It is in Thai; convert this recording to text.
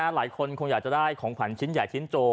หลายคนคงอยากจะได้ของขวัญชิ้นใหญ่ชิ้นโจ